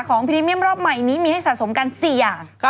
พรีเมียมรอบใหม่นี้มีให้สะสมกัน๔อย่าง